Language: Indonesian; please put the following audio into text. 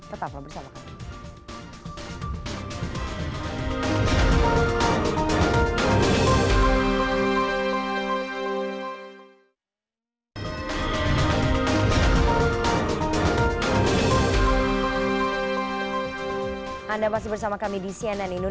tetap bersama kami